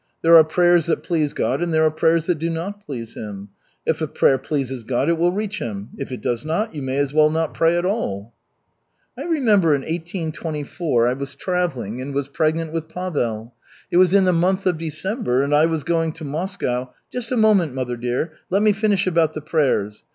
There are prayers that please God and there are prayers that do not please Him. If a prayer pleases God it will reach Him, if it does not, you may as well not pray at all." "I remember in 1824 I was travelling and was pregnant with Pavel. It was in the month of December, and I was going to Moscow " "Just a moment, mother dear. Let me finish about the prayers.